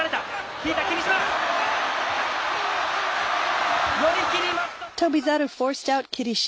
引いた霧島。